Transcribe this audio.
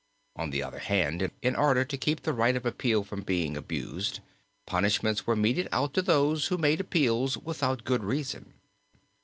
On the other hand, in order to keep the right of appeal from being abused, punishments were meted out to those who made appeals without good reason.